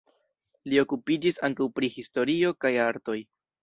Li okupiĝis ankaŭ pri historio kaj artoj.